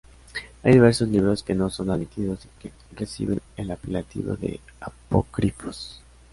Hay diversos libros que no son admitidos, y que reciben el apelativo de "apócrifos".